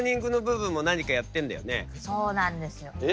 そうなんですよ。え？